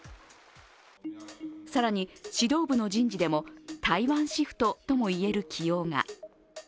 更に、指導部の人事でも台湾シフトとも言える起用が。